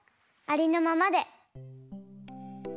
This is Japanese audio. ありのまま。